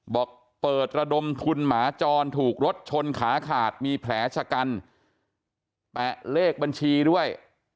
บอกเปิดระดมทุนหมาจรถูกรถชนขาขาดมีแผลชะกันแปะเลขบัญชีด้วย